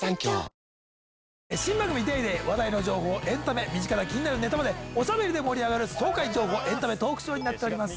新番組『ＤａｙＤａｙ．』話題の情報エンタメ身近な気になるネタまでおしゃべりで盛り上がる爽快情報エンタメトークショーになってます。